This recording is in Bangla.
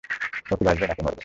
ও কি বাঁচবে, নাকি মরবে?